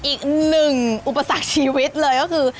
อีกหนึ่งอุปสรรคชีวิตเลยก็คือ